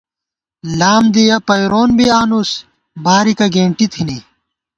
لام دی یَہ پئیرون بی آنُس بارِکہ گېنٹی تھنی